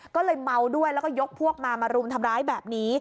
ก็เลยเมาด้วยแล้วก็ยกพวกมามารุมทำร้ายแบบนี้